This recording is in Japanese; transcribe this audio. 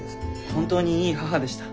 本当にいい母でした。